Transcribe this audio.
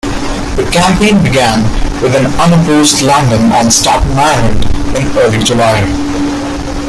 The campaign began with an unopposed landing on Staten Island in early July.